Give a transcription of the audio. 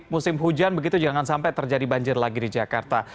musim hujan begitu jangan sampai terjadi banjir lagi di jakarta